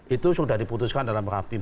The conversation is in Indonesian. itu sudah diputuskan dalam rapim